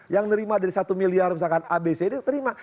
yang nerima dari satu miliar misalkan abc ini terima